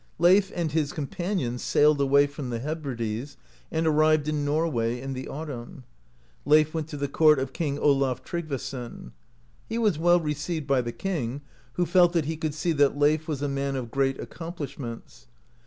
Leif and his companions sailed away from the Hebrides, and arrived in Norway in the autumn. Leif went to the court of King Olaf Tryggvason. He was well received by the king, who felt that he could see that Leif was a man of great accomplishments.